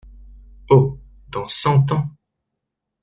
Oh ! dans cent ans …!